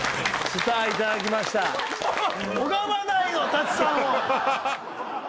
拝まないの舘さんを。